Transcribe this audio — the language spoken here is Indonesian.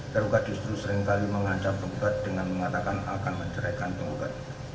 tergugat justru seringkali mengancam penggugat dengan mengatakan akan menceraikan penggugat